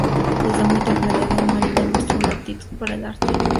Desde muy temprana edad, Marine mostró una aptitud para el arte.